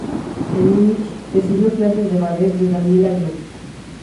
En Múnich, recibió clases de ballet de Daniela Glück.